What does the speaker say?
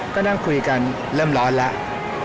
ก็นั่งคุยกันเริ่มร้อนแล้ว